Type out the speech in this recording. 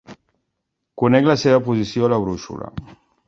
Conec la seva posició a la brúixola.